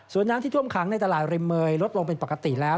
ส่วนน้ำที่ท่วมขังในตลาดริมเมย์ลดลงเป็นปกติแล้ว